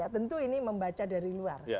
tentu ini membaca dari luar